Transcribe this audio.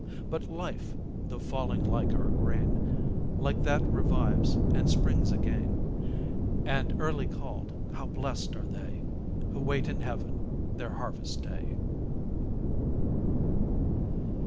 But life, though falling like our grain, Like that revives and springs again; And, early called, how blest are they Who wait in heaven their harvest day!